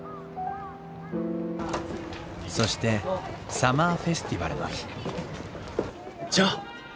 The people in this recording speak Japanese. そしてサマーフェスティバルの日ジョー！